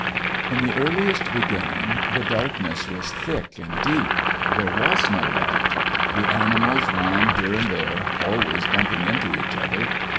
In the earliest beginning, the darkness was thick and deep. There was no light. The animals ran here and there, always bumping into each other.